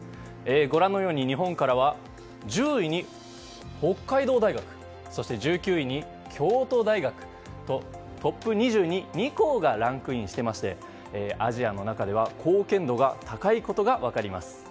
ご覧のように日本からは１０位に北海道大学そして１９位に京都大学とトップ２０に２校がランクインしていましてアジアの中では貢献度が高いことが分かります。